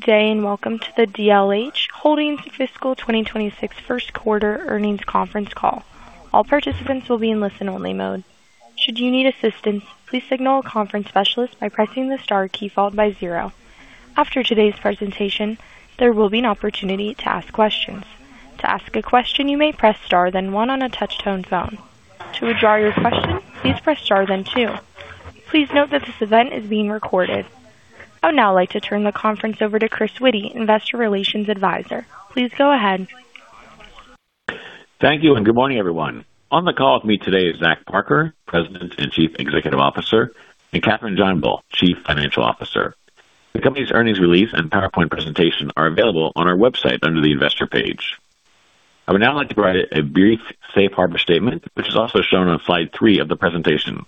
Good day, and welcome to the DLH Holdings Fiscal 2026 First Quarter Earnings Conference Call. All participants will be in listen-only mode. Should you need assistance, please signal a conference specialist by pressing the star key, followed by zero. After today's presentation, there will be an opportunity to ask questions. To ask a question, you may press star, then one on a touch-tone phone. To withdraw your question, please press star, then two. Please note that this event is being recorded. I would now like to turn the conference over to Chris Witty, Investor Relations Advisor. Please go ahead. Thank you, and good morning, everyone. On the call with me today is Zach Parker, President and Chief Executive Officer, and Kathryn JohnBull, Chief Financial Officer. The company's earnings release and PowerPoint presentation are available on our website under the Investor page. I would now like to provide a brief safe harbor statement, which is also shown on slide three of the presentation.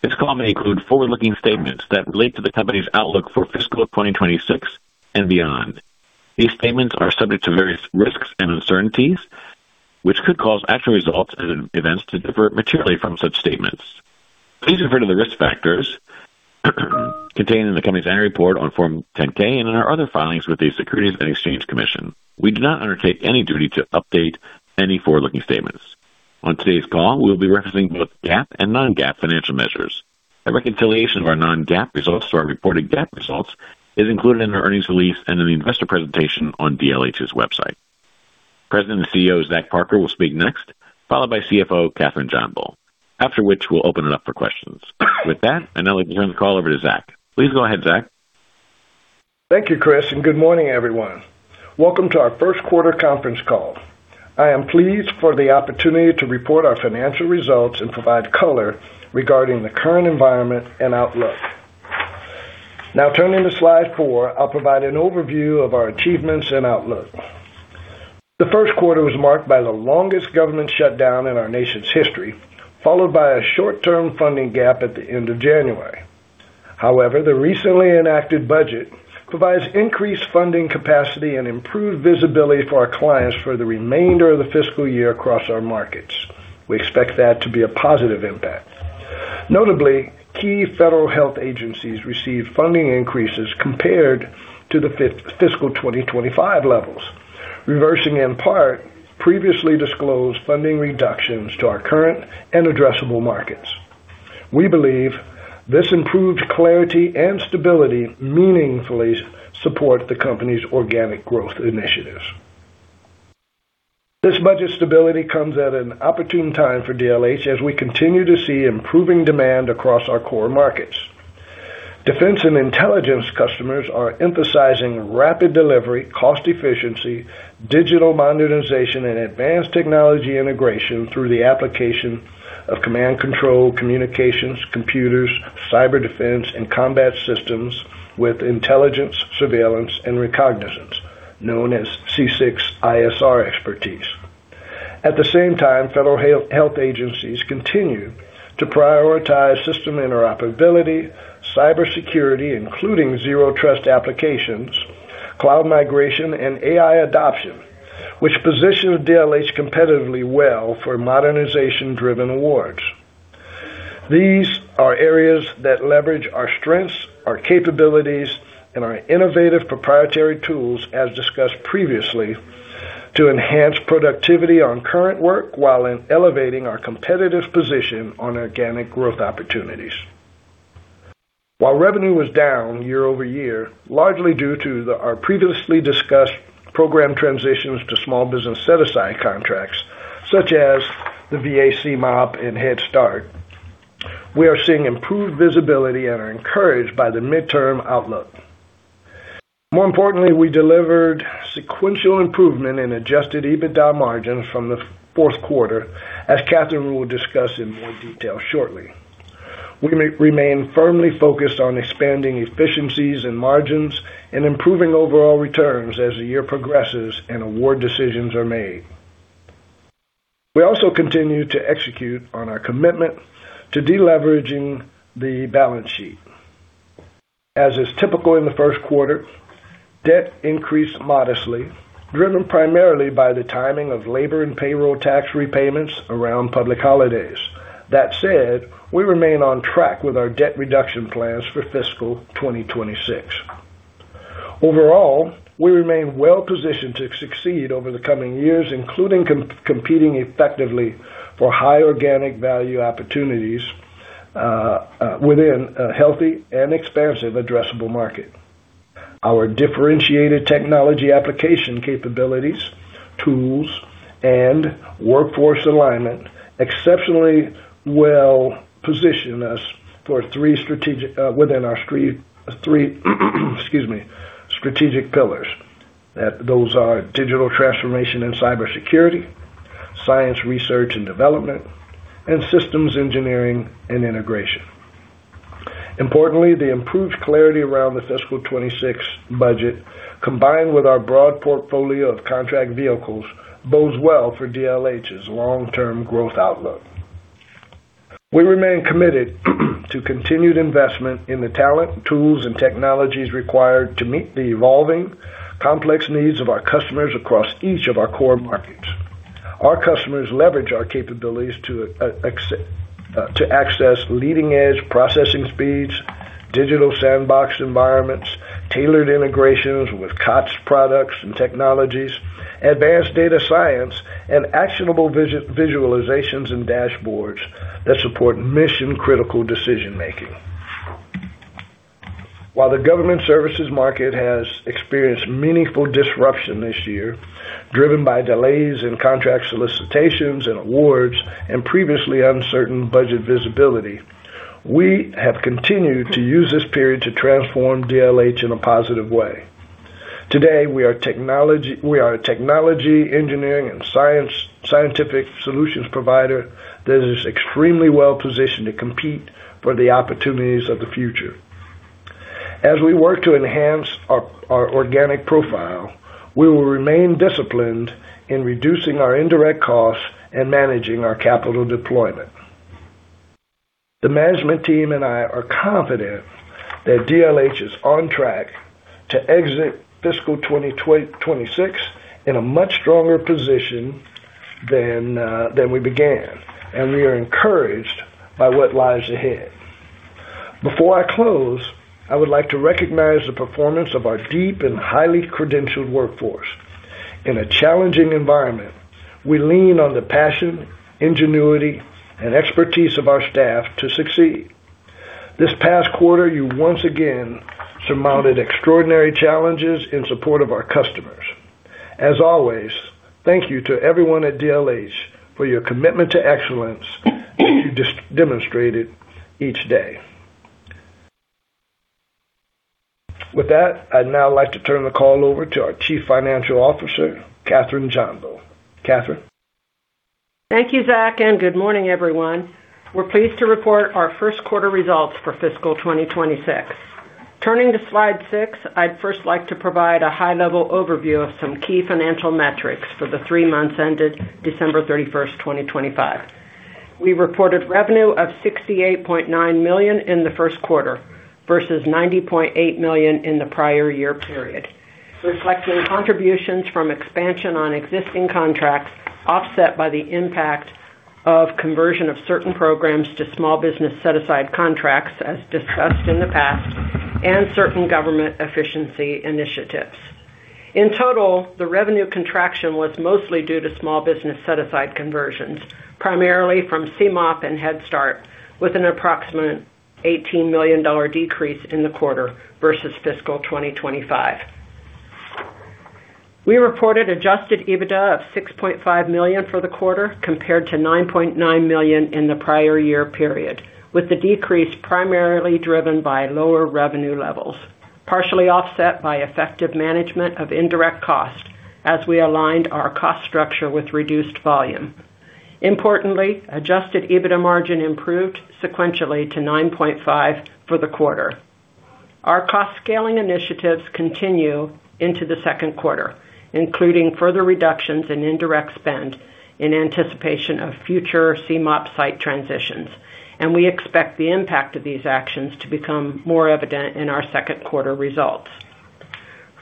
This call may include forward-looking statements that relate to the company's outlook for fiscal 2026 and beyond. These statements are subject to various risks and uncertainties, which could cause actual results and events to differ materially from such statements. Please refer to the risk factors contained in the company's annual report on Form 10-K, and in our other filings with the Securities and Exchange Commission. We do not undertake any duty to update any forward-looking statements. On today's call, we'll be referencing both GAAP and non-GAAP financial measures. A reconciliation of our non-GAAP results to our reported GAAP results is included in our earnings release and in the investor presentation on DLH's website. President and CEO, Zach Parker, will speak next, followed by CFO Kathryn JohnBull. After which, we'll open it up for questions. With that, I'd now like to turn the call over to Zach. Please go ahead, Zach. Thank you, Chris, and good morning, everyone. Welcome to our first quarter conference call. I am pleased for the opportunity to report our financial results and provide color regarding the current environment and outlook. Now, turning to slide 4, I'll provide an overview of our achievements and outlook. The first quarter was marked by the longest government shutdown in our nation's history, followed by a short-term funding gap at the end of January. However, the recently enacted budget provides increased funding capacity and improved visibility for our clients for the remainder of the fiscal year across our markets. We expect that to be a positive impact. Notably, key federal health agencies received funding increases compared to the fiscal 2025 levels, reversing, in part, previously disclosed funding reductions to our current and addressable markets. We believe this improved clarity and stability meaningfully support the company's organic growth initiatives. This budget stability comes at an opportune time for DLH as we continue to see improving demand across our core markets. Defense and intelligence customers are emphasizing rapid delivery, cost efficiency, digital modernization, and advanced technology integration through the application of command control, communications, computers, cyber defense, and combat systems with intelligence, surveillance, and reconnaissance, known as C6ISR expertise. At the same time, federal health agencies continue to prioritize system interoperability, cybersecurity, including Zero Trust applications, cloud migration, and AI adoption, which position DLH competitively well for modernization-driven awards. These are areas that leverage our strengths, our capabilities, and our innovative proprietary tools, as discussed previously, to enhance productivity on current work while elevating our competitive position on organic growth opportunities. While revenue was down year-over-year, largely due to the, our previously discussed program transitions to small business set-aside contracts, such as the VA CMOP and Head Start, we are seeing improved visibility and are encouraged by the midterm outlook. More importantly, we delivered sequential improvement in adjusted EBITDA margins from the fourth quarter, as Kathryn will discuss in more detail shortly. We remain firmly focused on expanding efficiencies and margins and improving overall returns as the year progresses and award decisions are made. We also continue to execute on our commitment to deleveraging the balance sheet. As is typical in the first quarter, debt increased modestly, driven primarily by the timing of labor and payroll tax repayments around public holidays. That said, we remain on track with our debt reduction plans for fiscal 2026. Overall, we remain well positioned to succeed over the coming years, including competing effectively for high organic value opportunities within a healthy and expansive addressable market. Our differentiated technology application capabilities, tools, and workforce align exceptionally well to position us for our three strategic pillars. Those are digital transformation and cybersecurity, science, research, and development, and systems engineering and integration. Importantly, the improved clarity around the fiscal 2026 budget, combined with our broad portfolio of contract vehicles, bodes well for DLH's long-term growth outlook. We remain committed to continued investment in the talent, tools, and technologies required to meet the evolving, complex needs of our customers across each of our core markets.... Our customers leverage our capabilities to access leading-edge processing speeds, digital sandbox environments, tailored integrations with COTS products and technologies, advanced data science, and actionable visualizations and dashboards that support mission-critical decision-making. While the government services market has experienced meaningful disruption this year, driven by delays in contract solicitations and awards and previously uncertain budget visibility, we have continued to use this period to transform DLH in a positive way. Today, we are technology, we are a technology, engineering, and scientific solutions provider that is extremely well-positioned to compete for the opportunities of the future. As we work to enhance our organic profile, we will remain disciplined in reducing our indirect costs and managing our capital deployment. The management team and I are confident that DLH is on track to exit fiscal 2026 in a much stronger position than than we began, and we are encouraged by what lies ahead. Before I close, I would like to recognize the performance of our deep and highly credentialed workforce. In a challenging environment, we lean on the passion, ingenuity, and expertise of our staff to succeed. This past quarter, you once again surmounted extraordinary challenges in support of our customers. As always, thank you to everyone at DLH for your commitment to excellence that you demonstrated each day. With that, I'd now like to turn the call over to our Chief Financial Officer, Kathryn JohnBull. Kathryn? Thank you, Zach, and good morning, everyone. We're pleased to report our first quarter results for fiscal 2026. Turning to Slide 6, I'd first like to provide a high-level overview of some key financial metrics for the three months ended December 31, 2025. We reported revenue of $68.9 million in the first quarter versus $90.8 million in the prior year period, reflecting contributions from expansion on existing contracts, offset by the impact of conversion of certain programs to small business set-aside contracts, as discussed in the past, and certain government efficiency initiatives. In total, the revenue contraction was mostly due to small business set-aside conversions, primarily from CMOP and Head Start, with an approximate $18 million decrease in the quarter versus fiscal 2025. We reported Adjusted EBITDA of $6.5 million for the quarter, compared to $9.9 million in the prior year period, with the decrease primarily driven by lower revenue levels, partially offset by effective management of indirect costs as we aligned our cost structure with reduced volume. Importantly, Adjusted EBITDA margin improved sequentially to 9.5% for the quarter. Our cost-scaling initiatives continue into the second quarter, including further reductions in indirect spend in anticipation of future CMOP site transitions, and we expect the impact of these actions to become more evident in our second quarter results.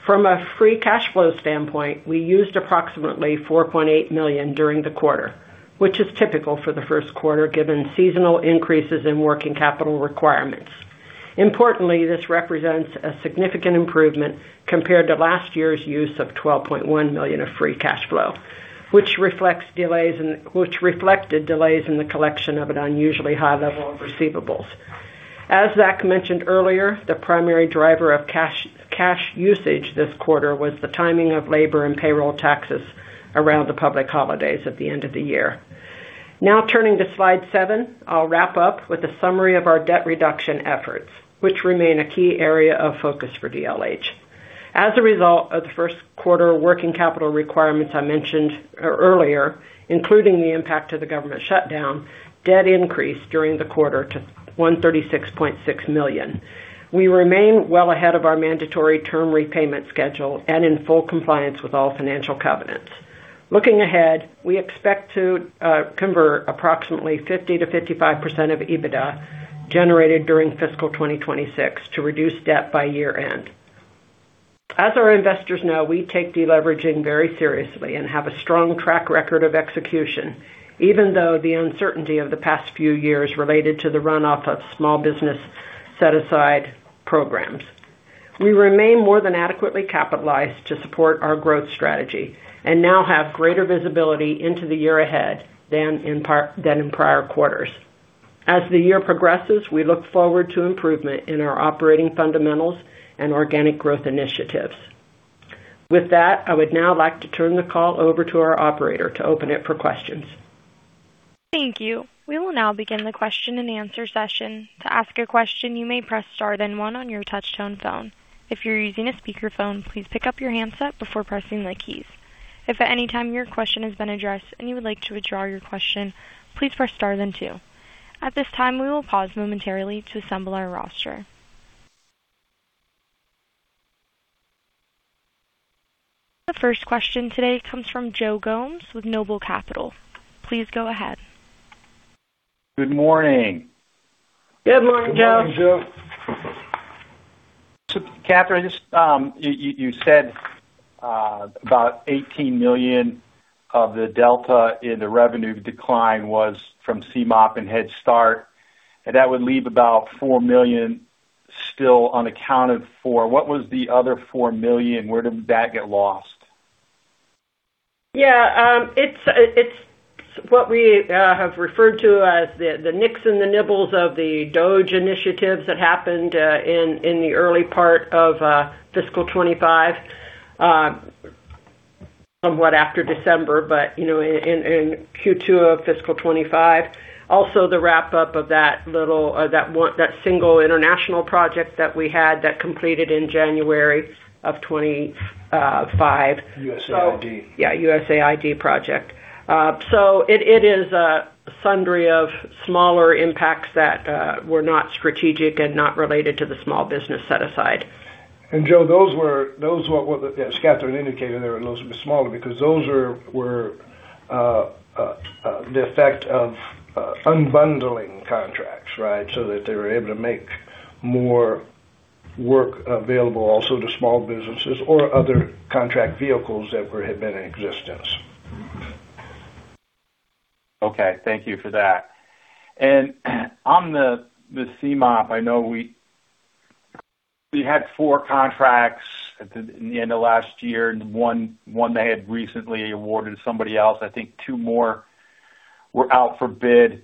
From a free cash flow standpoint, we used approximately $4.8 million during the quarter, which is typical for the first quarter, given seasonal increases in working capital requirements. Importantly, this represents a significant improvement compared to last year's use of $12.1 million of free cash flow, which reflected delays in the collection of an unusually high level of receivables. As Zach mentioned earlier, the primary driver of cash usage this quarter was the timing of labor and payroll taxes around the public holidays at the end of the year. Now, turning to Slide 7, I'll wrap up with a summary of our debt reduction efforts, which remain a key area of focus for DLH. As a result of the first quarter working capital requirements I mentioned earlier, including the impact of the government shutdown, debt increased during the quarter to $136.6 million. We remain well ahead of our mandatory term repayment schedule and in full compliance with all financial covenants. Looking ahead, we expect to convert approximately 50%-55% of EBITDA generated during fiscal 2026 to reduce debt by year-end. As our investors know, we take deleveraging very seriously and have a strong track record of execution, even though the uncertainty of the past few years related to the runoff of small business set-aside programs. We remain more than adequately capitalized to support our growth strategy and now have greater visibility into the year ahead than in prior quarters. As the year progresses, we look forward to improvement in our operating fundamentals and organic growth initiatives. With that, I would now like to turn the call over to our operator to open it for questions. Thank you. We will now begin the question-and-answer session. To ask a question, you may press star, then one on your touchtone phone. If you're using a speakerphone, please pick up your handset before pressing the keys. If at any time your question has been addressed and you would like to withdraw your question, please press star then two. At this time, we will pause momentarily to assemble our roster. The first question today comes from Joe Gomes with Noble Capital. Please go ahead.... Good morning. Good morning, Joe! Good morning, Joe. Kathryn, just, you said about $18 million of the delta in the revenue decline was from CMOP and Head Start, and that would leave about $4 million still unaccounted for. What was the other $4 million? Where did that get lost? Yeah, it's what we have referred to as the nicks and the nibbles of the DOGE initiatives that happened in the early part of fiscal 25, somewhat after December, but you know in Q2 of fiscal 25. Also, the wrap-up of that little single international project that we had that completed in January of 2025. USAID. Yeah, USAID project. So it is a sundry of smaller impacts that were not strategic and not related to the small business set aside. And Joe, those were, those were what as Kathryn indicated, they were a little bit smaller because those are, were, the effect of unbundling contracts, right? So that they were able to make more work available also to small businesses or other contract vehicles that were, had been in existence. Okay, thank you for that. And on the CMOP, I know we had four contracts at the end of last year, and one they had recently awarded somebody else. I think two more were out for bid.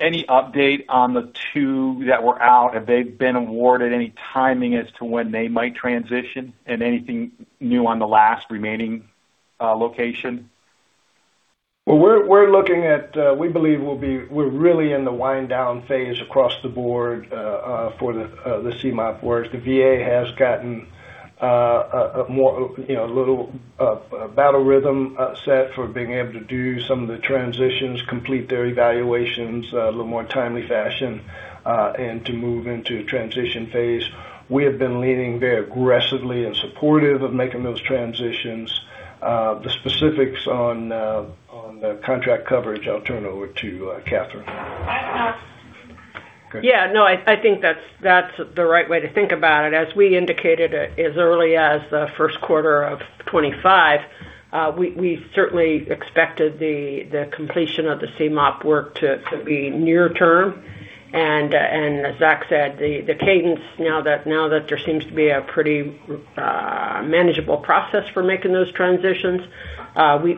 Any update on the two that were out? Have they been awarded any timing as to when they might transition, and anything new on the last remaining location? Well, we believe we'll be—we're really in the wind down phase across the board for the CMOP work. The VA has gotten a more, you know, a little battle rhythm set for being able to do some of the transitions, complete their evaluations, a little more timely fashion, and to move into transition phase. We have been leaning very aggressively and supportive of making those transitions. The specifics on the contract coverage, I'll turn over to Kathryn. I, uh- Go ahead. Yeah, no, I think that's the right way to think about it. As we indicated, as early as the first quarter of 2025, we certainly expected the completion of the CMOP work to be near term. And as Zach said, the cadence now that there seems to be a pretty manageable process for making those transitions,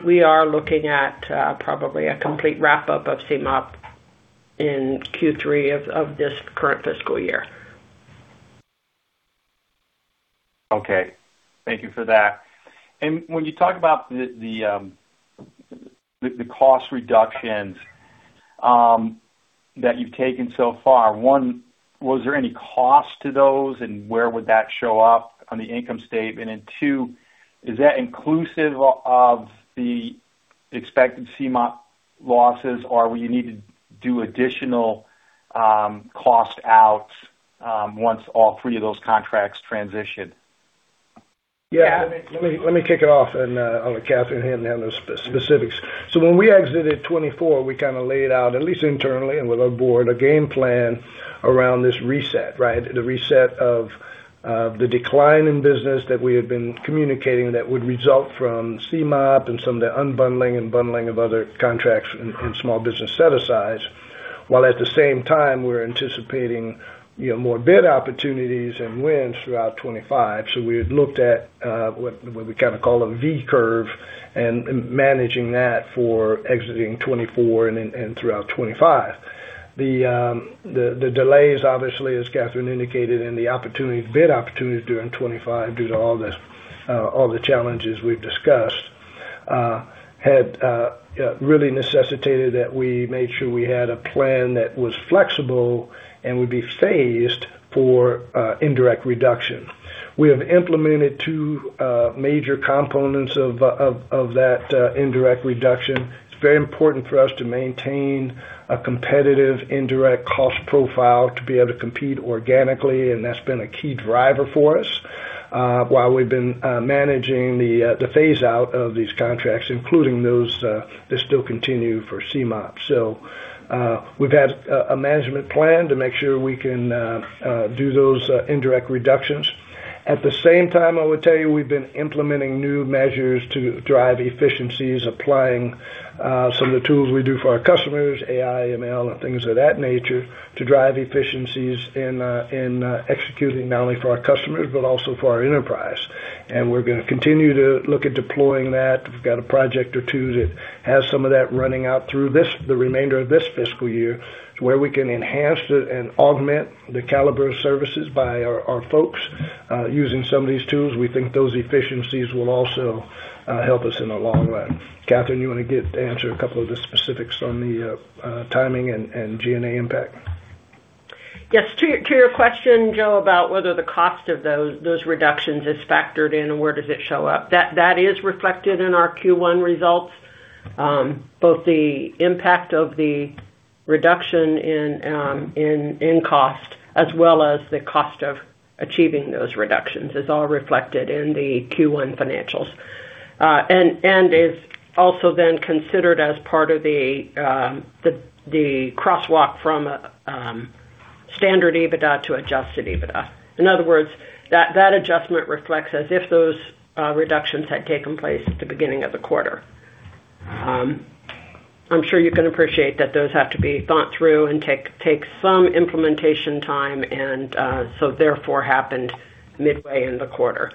we are looking at probably a complete wrap-up of CMOP in Q3 of this current fiscal year. Okay, thank you for that. And when you talk about the cost reductions that you've taken so far, one, was there any cost to those, and where would that show up on the income statement? And two, is that inclusive of the expected CMOP losses, or will you need to do additional cost out once all three of those contracts transition? Yeah. Yeah, let me kick it off and I'll let Kathryn handle the specifics. So when we exited 2024, we kinda laid out, at least internally and with our board, a game plan around this reset, right? The reset of the decline in business that we had been communicating that would result from CMOP and some of the unbundling and bundling of other contracts in small business set aside. While at the same time, we're anticipating, you know, more bid opportunities and wins throughout 2025. So we had looked at what we kinda call a V curve and managing that for exiting 2024 and then throughout 2025. The delays, obviously, as Kathryn indicated, and the opportunity, bid opportunities during 25, due to all the challenges we've discussed, had really necessitated that we made sure we had a plan that was flexible and would be phased for indirect reduction. We have implemented two major components of that indirect reduction. It's very important for us to maintain a competitive indirect cost profile to be able to compete organically, and that's been a key driver for us while we've been managing the phase out of these contracts, including those that still continue for CMOP. So, we've had a management plan to make sure we can do those indirect reductions. At the same time, I would tell you, we've been implementing new measures to drive efficiencies, applying some of the tools we do for our customers, AI, ML, and things of that nature, to drive efficiencies in, in executing not only for our customers, but also for our enterprise. And we're gonna continue to look at deploying that. We've got a project or two that has some of that running out through this, the remainder of this fiscal year, where we can enhance it and augment the caliber of services by our, our folks using some of these tools. We think those efficiencies will also help us in the long run. Kathryn, you wanna get, answer a couple of the specifics on the timing and, and GAAP impact? Yes, to your, to your question, Joe, about whether the cost of those, those reductions is factored in or where does it show up? That, that is reflected in our Q1 results. Both the impact of the reduction in cost as well as the cost of achieving those reductions is all reflected in the Q1 financials. And is also then considered as part of the crosswalk from standard EBITDA to adjusted EBITDA. In other words, that, that adjustment reflects as if those reductions had taken place at the beginning of the quarter. I'm sure you can appreciate that those have to be thought through and take some implementation time and so therefore happened midway in the quarter.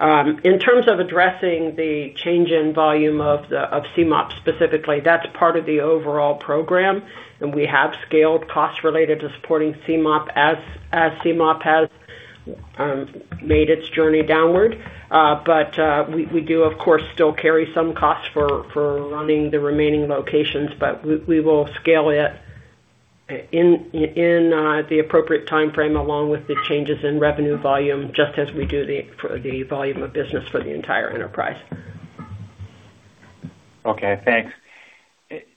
In terms of addressing the change in volume of CMOP specifically, that's part of the overall program, and we have scaled costs related to supporting CMOP as CMOP has made its journey downward. But we do, of course, still carry some costs for running the remaining locations, but we will scale it in the appropriate timeframe, along with the changes in revenue volume, just as we do for the volume of business for the entire enterprise. Okay, thanks.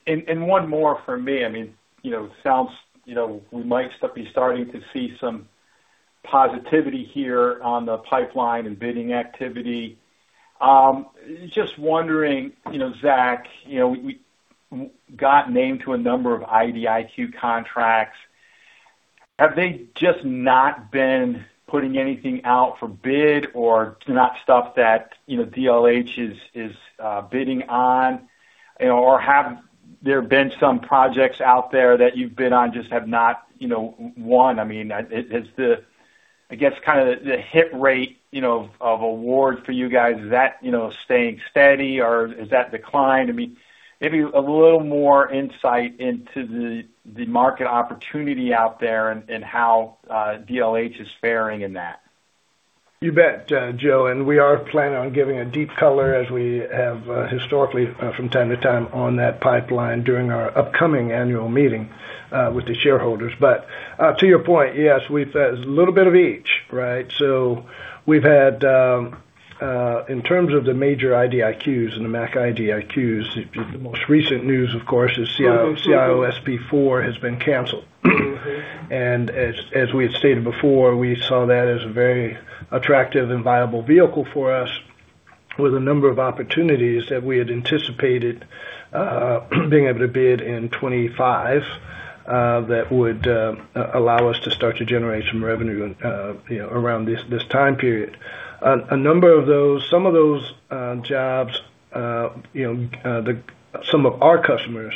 And one more from me. I mean, you know, sounds, you know, we might still be starting to see some positivity here on the pipeline and bidding activity. Just wondering, you know, Zach, you know, we got named to a number of IDIQ contracts. Have they just not been putting anything out for bid or not stuff that, you know, DLH is bidding on? You know, or have there been some projects out there that you've been on, just have not, you know, won? I mean, has the, I guess, kinda the hit rate, you know, of awards for you guys, is that, you know, staying steady or is that declined? I mean, maybe a little more insight into the market opportunity out there and how DLH is faring in that. You bet, Joe, and we are planning on giving a deep color as we have historically, from time to time on that pipeline during our upcoming annual meeting with the shareholders. But to your point, yes, we've a little bit of each, right? So we've had in terms of the major IDIQs and the MAC IDIQs, the most recent news, of course, is CIO-SP4 has been canceled. And as we had stated before, we saw that as a very attractive and viable vehicle for us, with a number of opportunities that we had anticipated being able to bid in 2025, that would allow us to start to generate some revenue, you know, around this time period. Some of those jobs, you know, then some of our customers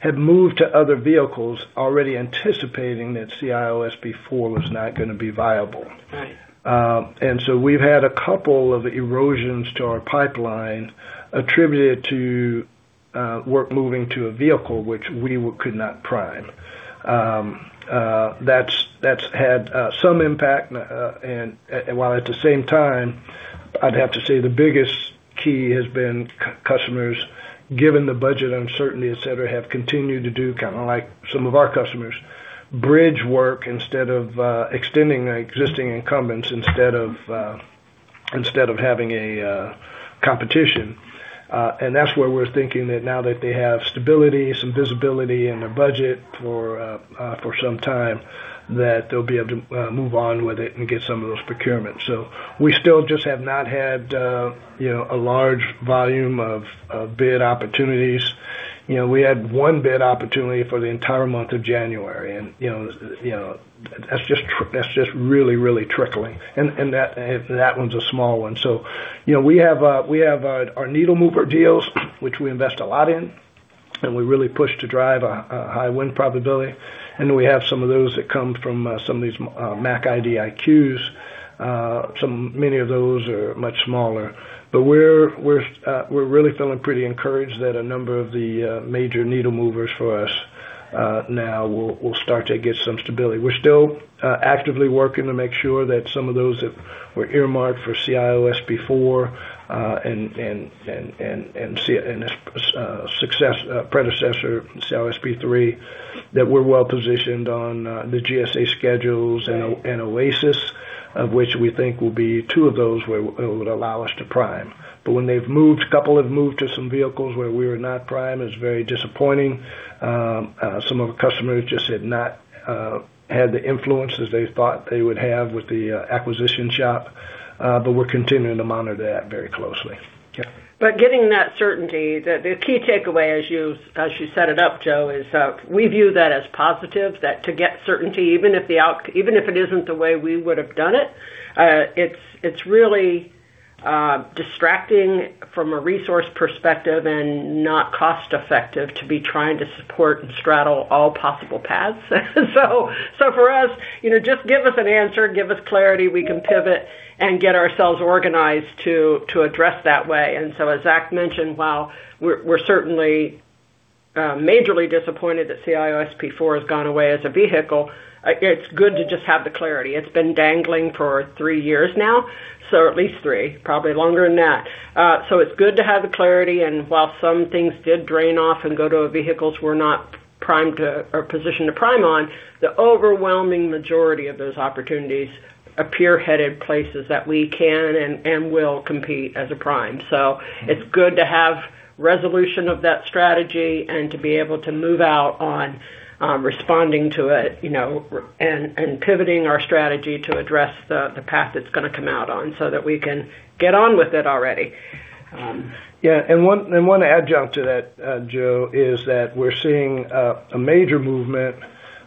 had moved to other vehicles already anticipating that CIO-SP4 was not gonna be viable. Right. And so we've had a couple of erosions to our pipeline attributed to work moving to a vehicle which we could not prime. That's had some impact, and while at the same time, I'd have to say the biggest key has been customers, given the budget uncertainty, et cetera, have continued to do kinda like some of our customers bridge work instead of extending the existing incumbents instead of instead of having a competition. And that's where we're thinking that now that they have stability, some visibility in their budget for some time, that they'll be able to move on with it and get some of those procurements. So we still just have not had, you know, a large volume of bid opportunities. You know, we had one bid opportunity for the entire month of January, and, you know, that's just really, really trickling. And that one's a small one. So, you know, we have our needle mover deals, which we invest a lot in, and we really push to drive a high win probability, and we have some of those that come from some of these MAC IDIQs. Some many of those are much smaller. But we're really feeling pretty encouraged that a number of the major needle movers for us now will start to get some stability. We're still actively working to make sure that some of those that were earmarked for CIO-SP4 and successor predecessor CIO-SP3, that we're well positioned on the GSA Schedules and OASIS, of which we think will be two of those where would allow us to prime. But when they've moved, a couple have moved to some vehicles where we were not prime, it's very disappointing. Some of the customers just have not had the influence as they thought they would have with the acquisition shop, but we're continuing to monitor that very closely. Yeah. But getting that certainty, the key takeaway, as you set it up, Joe, is, we view that as positive, that to get certainty, even if it isn't the way we would have done it, it's really distracting from a resource perspective and not cost-effective to be trying to support and straddle all possible paths. So for us, you know, just give us an answer, give us clarity, we can pivot and get ourselves organized to address that way. And so as Zach mentioned, while we're certainly majorly disappointed that CIO-SP4 has gone away as a vehicle, it's good to just have the clarity. It's been dangling for 3 years now, so at least 3, probably longer than that. So it's good to have the clarity, and while some things did drain off and go to vehicles we're not primed to or positioned to prime on, the overwhelming majority of those opportunities appear headed places that we can and will compete as a prime. So it's good to have resolution of that strategy and to be able to move out on responding to it, you know, and pivoting our strategy to address the path it's gonna come out on, so that we can get on with it already.... Yeah, and one adjunct to that, Joe, is that we're seeing a major movement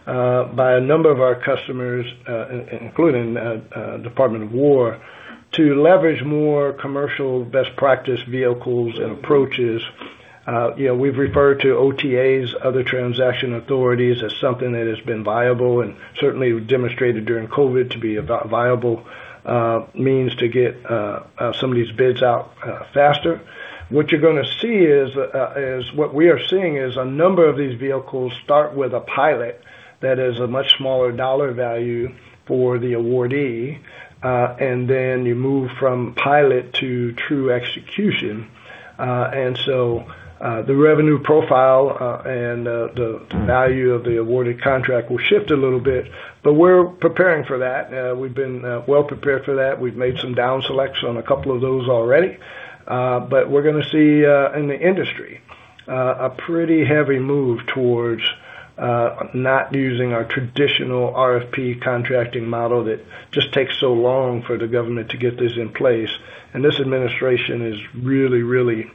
by a number of our customers, including Department of War, to leverage more commercial best practice vehicles and approaches. You know, we've referred to OTAs, other transaction authorities, as something that has been viable and certainly demonstrated during COVID to be a viable means to get some of these bids out faster. What you're gonna see is what we are seeing is a number of these vehicles start with a pilot that is a much smaller dollar value for the awardee, and then you move from pilot to true execution. And so, the revenue profile and the value of the awarded contract will shift a little bit, but we're preparing for that. We've been well prepared for that. We've made some down selects on a couple of those already. But we're gonna see in the industry a pretty heavy move towards not using our traditional RFP contracting model. That just takes so long for the government to get this in place. And this administration is really, really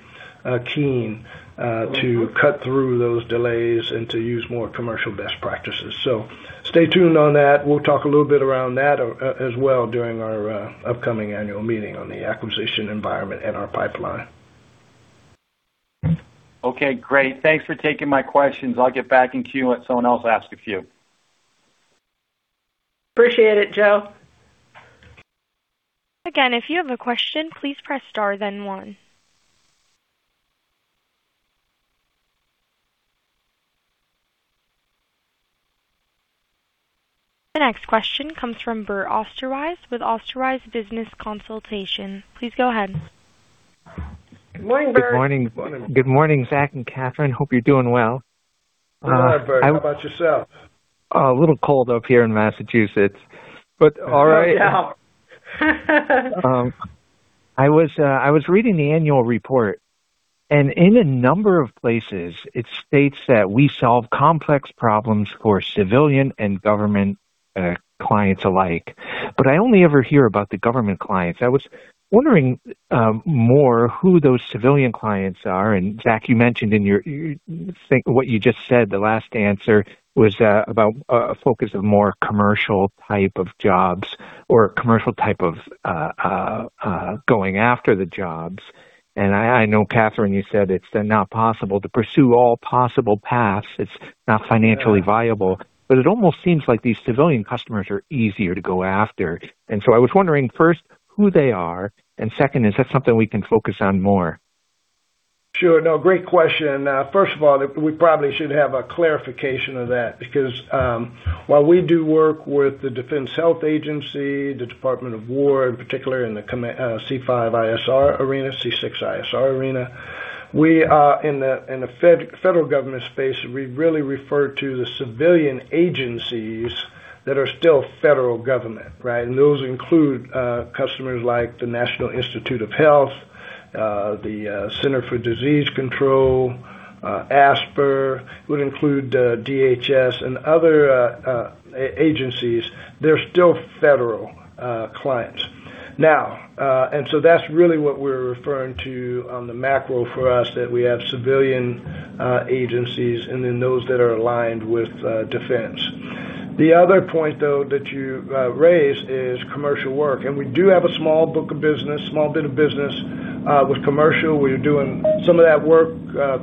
keen to cut through those delays and to use more commercial best practices. So stay tuned on that. We'll talk a little bit around that as well during our upcoming annual meeting on the acquisition environment and our pipeline. Okay, great. Thanks for taking my questions. I'll get back in queue and someone else ask a few. Appreciate it, Joe. Again, if you have a question, please press Star, then one. The next question comes from Bert Osterweis with Osterweis Business Consultation. Please go ahead. Good morning, Bert. Good morning. Good morning, Zach and Kathryn. Hope you're doing well. How about yourself? A little cold up here in Massachusetts, but all right. I was reading the annual report, and in a number of places, it states that we solve complex problems for civilian and government clients alike. But I only ever hear about the government clients. I was wondering more who those civilian clients are. And Zach, you mentioned in your—I think what you just said, the last answer was about a focus of more commercial type of jobs or commercial type of going after the jobs. And I know, Kathryn, you said it's not possible to pursue all possible paths. It's not financially viable, but it almost seems like these civilian customers are easier to go after. And so I was wondering, first, who they are, and second, is that something we can focus on more? Sure. No, great question. First of all, we probably should have a clarification of that, because, while we do work with the Defense Health Agency, the Department of Defense, in particular in the command, C5ISR arena, C6ISR arena, we are in the federal government space, we really refer to the civilian agencies that are still federal government, right? And those include, customers like the National Institutes of Health, the Centers for Disease Control, ASPR, would include, DHS and other agencies. They're still federal clients. Now, and so that's really what we're referring to on the macro for us, that we have civilian agencies and then those that are aligned with defense. The other point, though, that you raised is commercial work, and we do have a small book of business, small bit of business, with commercial. We're doing some of that work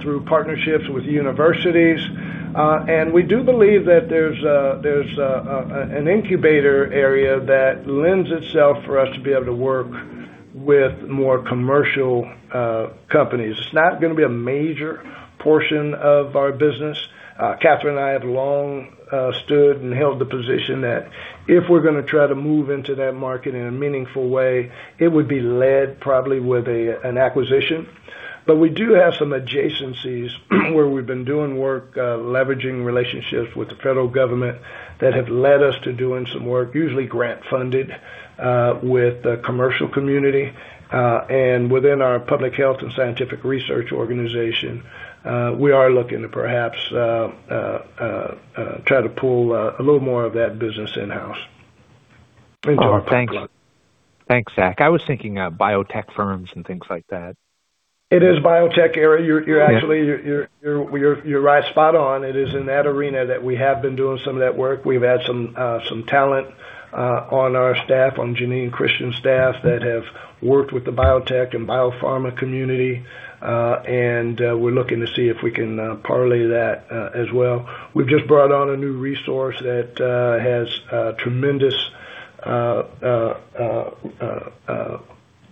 through partnerships with universities. And we do believe that there's an incubator area that lends itself for us to be able to work with more commercial companies. It's not gonna be a major portion of our business. Kathryn and I have long stood and held the position that if we're gonna try to move into that market in a meaningful way, it would be led probably with an acquisition. But we do have some adjacencies where we've been doing work, leveraging relationships with the federal government that have led us to doing some work, usually grant funded, with the commercial community, and within our public health and scientific research organization. We are looking to perhaps try to pull a little more of that business in-house. Thanks. Thanks, Zach. I was thinking, biotech firms and things like that. It is biotech, Eric. You're actually- Yeah. You're right spot on. It is in that arena that we have been doing some of that work. We've had some talent on our staff, on Jeanine Christian's staff, that have worked with the biotech and biopharma community, and we're looking to see if we can parlay that as well. We've just brought on a new resource that has tremendous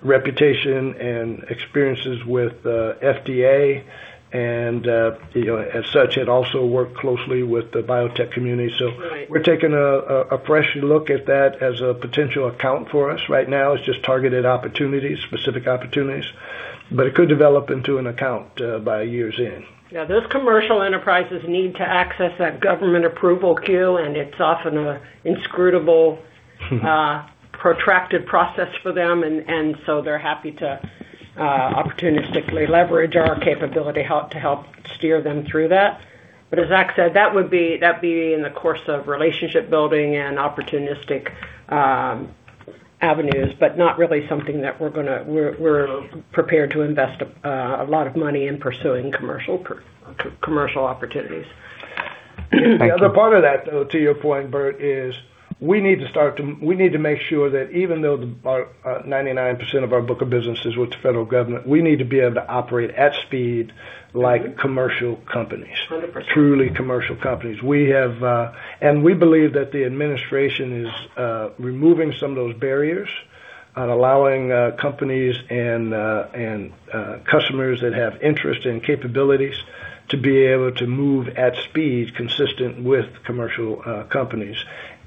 reputation and experiences with FDA, and you know, as such, it also worked closely with the biotech community. So we're taking a fresh look at that as a potential account for us. Right now, it's just targeted opportunities, specific opportunities, but it could develop into an account by years in. Yeah, those commercial enterprises need to access that government approval queue, and it's often an inscrutable- Mm-hmm. protracted process for them, and so they're happy to opportunistically leverage our capability to help steer them through that. But as Zach said, that would be, that'd be in the course of relationship building and opportunistic avenues, but not really something that we're gonna, we're prepared to invest a lot of money in pursuing commercial opportunities. The other part of that, though, to your point, Bert, is we need to make sure that even though our 99% of our book of business is with the federal government, we need to be able to operate at speed like commercial companies. Hundred percent. Truly commercial companies. We have, and we believe that the administration is removing some of those barriers and allowing companies and customers that have interest and capabilities to be able to move at speed consistent with commercial companies.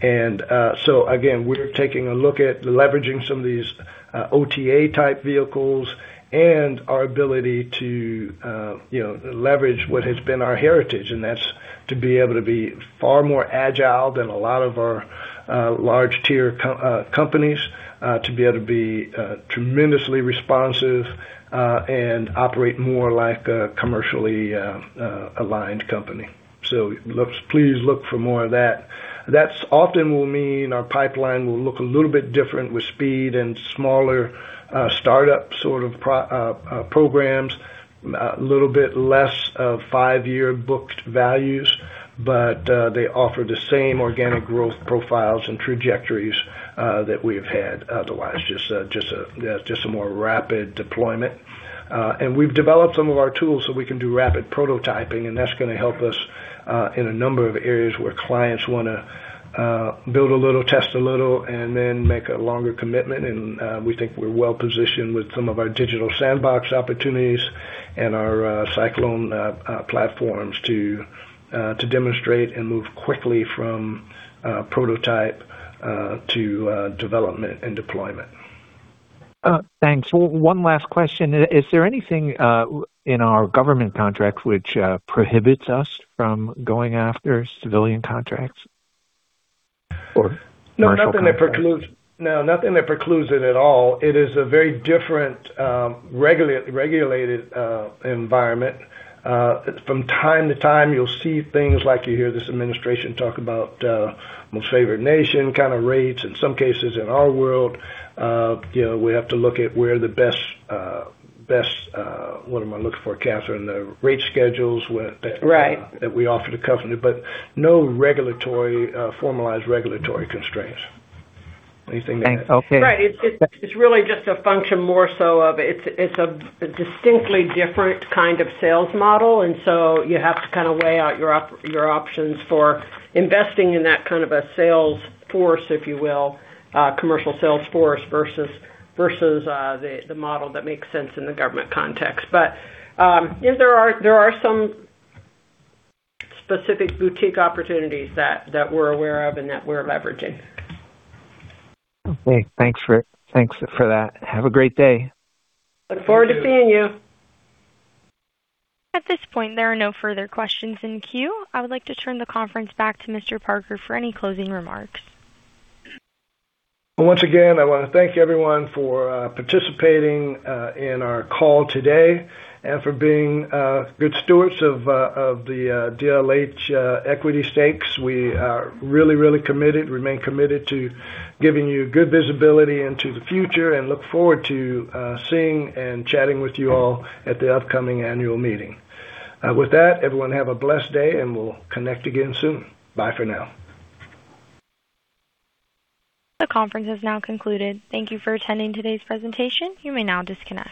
And so again, we're taking a look at leveraging some of these OTA-type vehicles and our ability to, you know, leverage what has been our heritage, and that's to be able to be far more agile than a lot of our large tier one companies to be able to be tremendously responsive and operate more like a commercially aligned company. Please look for more of that. That often will mean our pipeline will look a little bit different with speed and smaller, startup sort of programs, a little bit less of five-year booked values, but they offer the same organic growth profiles and trajectories that we have had otherwise, just a more rapid deployment. And we've developed some of our tools, so we can do rapid prototyping, and that's gonna help us in a number of areas where clients wanna build a little, test a little, and then make a longer commitment. And we think we're well-positioned with some of our digital sandbox opportunities and our Cyclone platforms to demonstrate and move quickly from prototype to development and deployment. Thanks. One last question. Is there anything in our government contracts which prohibits us from going after civilian contracts or commercial contracts? No, nothing that precludes it at all. It is a very different, regulated environment. From time to time, you'll see things like you hear this administration talk about, most favored nation kind of rates. In some cases in our world, you know, we have to look at where the best, what am I looking for, Kathryn? The rate schedules with- Right. That we offer to company, but no regulatory, formalized regulatory constraints. Anything to add? Thanks. Okay. Right. It's really just a function, more so of it's a distinctly different kind of sales model, and so you have to kind of weigh out your options for investing in that kind of a sales force, if you will, commercial sales force, versus the model that makes sense in the government context. But, yeah, there are some specific boutique opportunities that we're aware of and that we're leveraging. Okay, thanks for, thanks for that. Have a great day. Look forward to seeing you. At this point, there are no further questions in the queue. I would like to turn the conference back to Mr. Parker for any closing remarks. Once again, I wanna thank everyone for participating in our call today and for being good stewards of the DLH equity stakes. We are really, really committed, remain committed to giving you good visibility into the future and look forward to seeing and chatting with you all at the upcoming annual meeting. With that, everyone, have a blessed day, and we'll connect again soon. Bye for now. The conference has now concluded. Thank you for attending today's presentation. You may now disconnect.